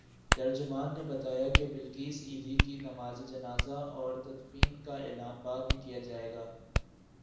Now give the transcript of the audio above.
ترجمان نے بتایا کہ بلقیس ایدھی کی نمازجنازہ اورتدفین کا اعلان بعد میں کیا جائے گا۔